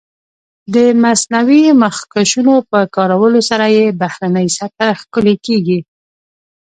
د مصنوعي مخکشونو په کارولو سره یې بهرنۍ سطح ښکلې کېږي.